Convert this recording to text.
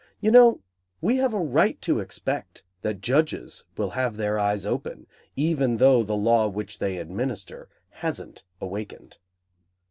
You know, we have a right to expect that judges will have their eyes open, even though the law which they administer hasn't awakened.